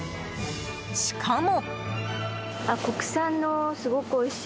しかも。